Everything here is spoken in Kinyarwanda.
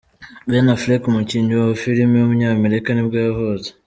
Ben Affleck, umukinnyi wa filime w’umunyamerika ni bwo yavutse.